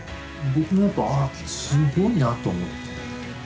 僕もやっぱああすごいなと思って。